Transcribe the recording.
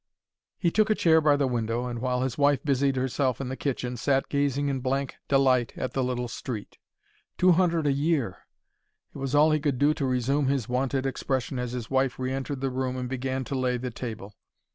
He took a chair by the window, and, while his wife busied herself in the kitchen, sat gazing in blank delight at the little street. Two hundred a year! It was all he could do to resume his wonted expression as his wife re entered the room and began to lay the table.